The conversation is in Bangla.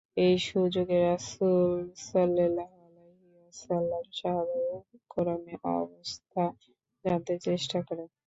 এই সুযোগে রাসূল সাল্লাল্লাহু আলাইহি ওয়াসাল্লাম সাহাবায়ে কেরামের অবস্থা জানতে চেষ্টা করেন।